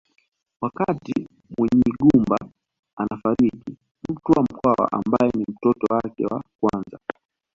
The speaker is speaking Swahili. Wakati Munyigumba anafariki Mtwa Mkwawa ambaye ni mtoto wake wa kwanza